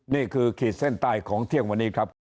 ขีดเส้นใต้ของเที่ยงวันนี้ครับ